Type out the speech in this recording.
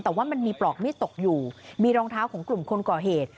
แต่ว่ามันมีปลอกมีดตกอยู่มีรองเท้าของกลุ่มคนก่อเหตุ